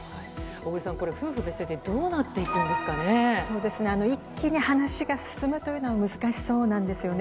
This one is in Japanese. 小栗さん、これ、夫婦別姓っそうですね、一気に話が進むというのは難しそうなんですよね。